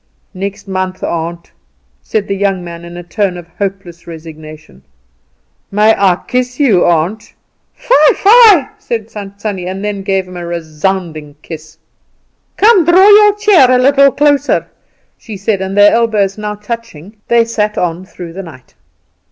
"Next month, aunt," said the young man in a tone of hopeless resignation. "May I kiss you, aunt?" "Fie! fie!" said Tant Sannie, and then gave him a resounding kiss. "Come, draw your chair a little closer," she said, and their elbows now touching, they sat on through the night.